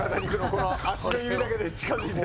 この足の指だけで近づいていくの。